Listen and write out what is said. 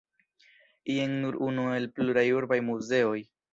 Jen nur unu el pluraj urbaj muzeoj.